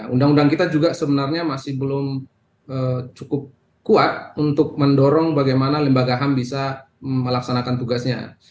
undang undang kita juga sebenarnya masih belum cukup kuat untuk mendorong bagaimana lembaga ham bisa melaksanakan tugasnya